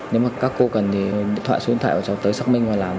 nếu mà các cô cần thì điện thoại số điện thoại của cháu tới xác minh hoặc làm